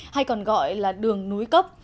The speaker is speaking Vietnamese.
hay còn gọi là đường núi cấp